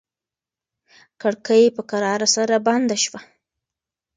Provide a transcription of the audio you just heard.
کړکۍ په کراره سره بنده شوه.